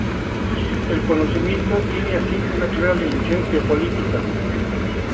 El conocimiento tiene así una clara dimensión geopolítica.